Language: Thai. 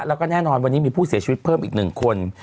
แล้วก็แน่นอนวันนี้มีผู้เสียชีวิตเพิ่มอีก๑คน